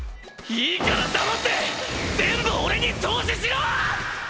いいから黙って全部オレに投資しろ！